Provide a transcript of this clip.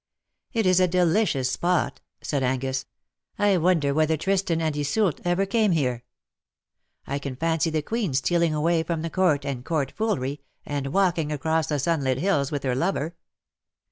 ^' It is a delicious spot," said Angus, "I wonder whether Tristan and Iseult ever came here ! I can fancy the queen stealing away from the Court and Court foolery, and walking across the sunlit hills with her lover.